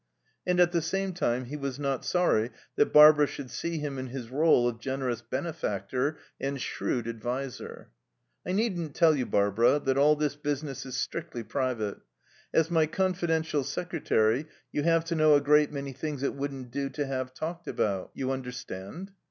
And at the same time he was not sorry that Barbara should see him in his rôle of generous benefactor and shrewd adviser. "I needn't tell you, Barbara, that all this business is strictly private. As my confidential secretary, you have to know a great many things it wouldn't do to have talked about. You understand?"